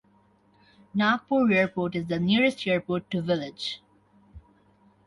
Nagpur Airport is the nearest airport to village.